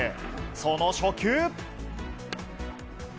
その初球。